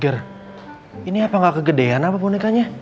ger ini apa gak kegedean